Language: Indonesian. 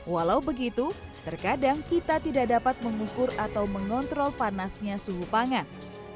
walau begitu terkadang kita tidak dapat mengukur atau mengontrol panasnya suhu pangan